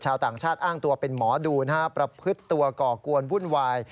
ชาวต่างชาติอ้างตัวเป็นหมอดูนะฮะประพฤติตัวก่อกวนวุ่นวาย